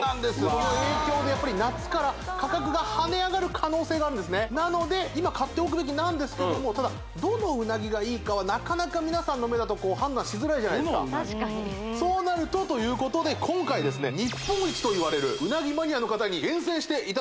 その影響でやっぱり夏から価格が跳ね上がる可能性があるんですねなので今買っておくべきなんですけどもただどのうなぎがいいかはなかなか皆さんの目だとこう判断しづらいじゃないですか確かにそうなるとということで今回ですね日本一といわれるうなぎマニアの方に厳選していただきました